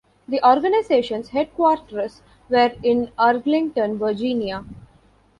The organization's headquarters were in Arlington, Virginia.